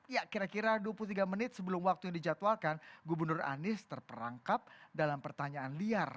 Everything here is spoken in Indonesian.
ya kira kira dua puluh tiga menit sebelum waktu yang dijadwalkan gubernur anies terperangkap dalam pertanyaan liar